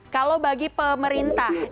kalau bagi pemerintah